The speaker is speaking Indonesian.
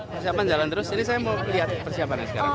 persiapan jalan terus ini saya mau lihat persiapan yang sekarang